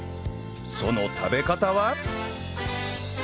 その食べ方は？